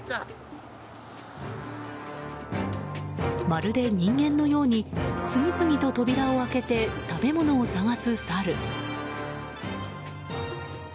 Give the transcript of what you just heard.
まるで人間のように次々と扉を開けて食べ物を探すサル。